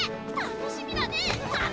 楽しみだねえ！